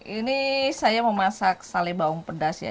ini saya mau masak sale baung pedas ya